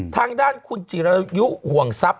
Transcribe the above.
ทางด้านคุณจิรยุห่วงทรัพย